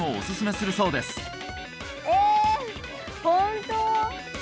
本当？